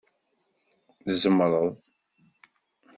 Tzemreḍ.